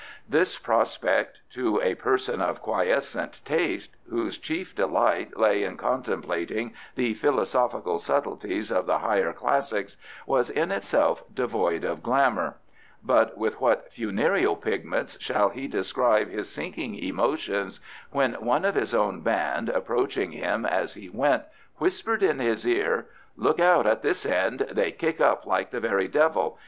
This prospect, to a person of quiescent taste, whose chief delight lay in contemplating the philosophical subtleties of the higher Classics, was in itself devoid of glamour, but with what funereal pigments shall he describe his sinking emotions when one of his own band, approaching him as he went, whispered in his ear, "Look out at this end; they kick up like the very devil.